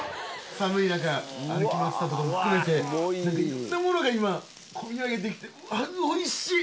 寒い中歩き回ってたところ含めて何かいろんなものが今込み上げてきておいしい！